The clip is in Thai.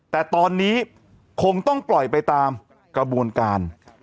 แต่ตอนนี้คงต้องปล่อยไปตามกระบวนการ